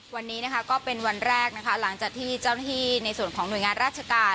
วันนี้นะคะก็เป็นวันแรกนะคะหลังจากที่เจ้าหน้าที่ในส่วนของหน่วยงานราชการ